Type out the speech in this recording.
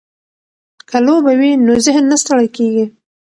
که لوبه وي نو ذهن نه ستړی کیږي.